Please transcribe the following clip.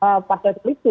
yang bukan berbasis politik